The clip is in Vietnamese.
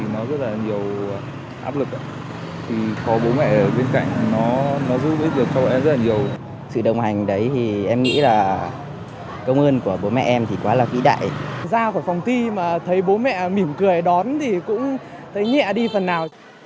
người đón thì cũng thấy nhẹ đi phần nào